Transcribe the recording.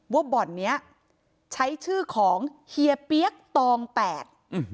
ว่าบอลนี้ใช้ชื่อของเฮียเปี้๊กตองแปด